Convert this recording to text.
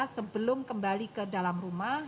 sebelum kembali ke dalam rumah